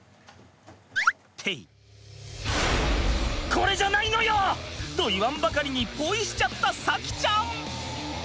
「これじゃないのよ！」と言わんばかりにポイしちゃった咲希ちゃん。